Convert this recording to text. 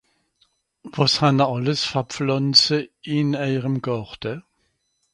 Wàs hann'r àlles fer Pflànze in ejerem Gàrte